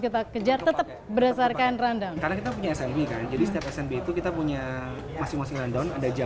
ketertarikannya pun bermula dari kebutuhannya